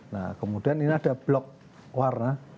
nah kemudian ini ada blok warna